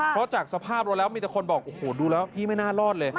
เพราะจากสภาพรถแล้วมีแต่คนบอกโอ้โหดูแล้วพี่ไม่น่ารอดเลย